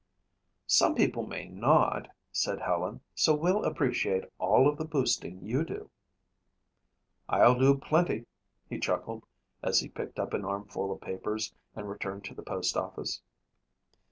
"Some people may not," said Helen, "so we'll appreciate all of the boosting you do." "I'll do plenty," he chuckled as he picked up an armful of papers and returned to the postoffice.